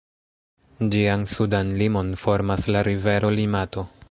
Ĝian sudan limon formas la rivero Limato.